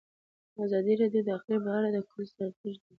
ازادي راډیو د اقلیم په اړه د حکومتي ستراتیژۍ ارزونه کړې.